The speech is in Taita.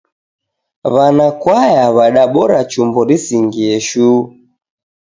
Wanakwaya wadabora chumbo risingie shuu.